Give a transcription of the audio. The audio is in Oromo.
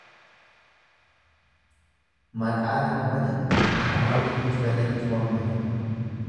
Maqaa nama bade iddoo itti badetti mormatu.